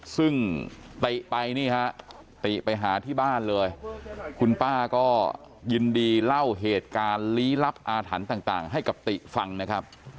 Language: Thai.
ซึ่งติไปนี่ฮะติไปหาที่บ้านเลยคุณป้าก็ยินดีเล่าเหตุการณ์ลี้ลับอาถรรพ์ต่างให้กับติฟังนะครับ